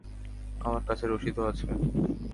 আমার কাছে রসিদও আছে।